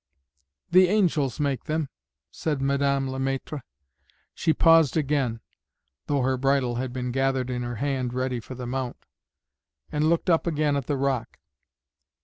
"The angels make them," said Madame Le Maître. She paused again (though her bridle had been gathered in her hand ready for the mount), and looked up again at the rock.